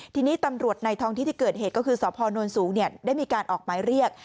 ทีนี้ตำรวจในท้องที่ที่เกิดเหตุก็คือสพนสูงได้มีการออกหมายเรียก